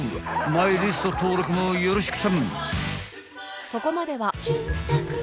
マイリスト登録もよろしくちゃん］